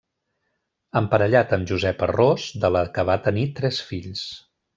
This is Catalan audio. Emparellat amb Josepa Ros de la que va tenir tres fills.